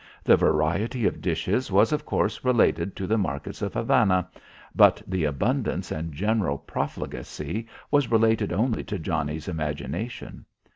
The variety of dishes was of course related to the markets of Havana, but the abundance and general profligacy was related only to Johnnie's imagination.